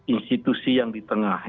institusi yang di tengah